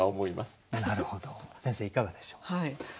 なるほど先生いかがでしょう？